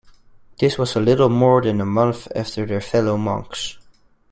This was a little more than a month after their fellow monks.